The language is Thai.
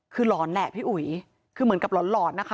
คือหลอนแหละพี่อุ๋ยคือเหมือนกับหลอนหลอนนะคะ